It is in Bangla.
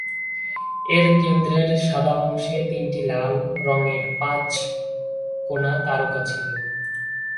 এর কেন্দ্রের সাদা অংশে তিনটি লাল রঙের পাঁচ কোনা তারকা ছিলো।